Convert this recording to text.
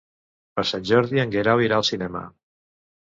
Per Sant Jordi en Guerau irà al cinema.